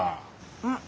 うん？